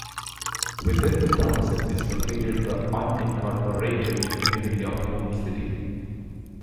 Within the township is located the unincorporated community of Holmes City.